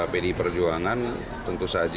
pdi perjuangan tentu saja